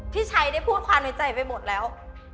พี่ชัยได้พูดความในใจไปหมดแล้ว